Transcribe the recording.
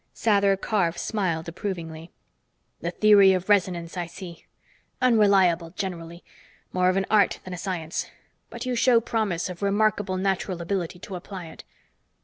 Sather Karf smiled approvingly. "The theory of resonance, I see. Unreliable generally. More of an art than a science. But you show promise of remarkable natural ability to apply it."